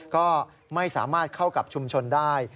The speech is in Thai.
ก็ไม่สามารถเข้ากับชุมชนได้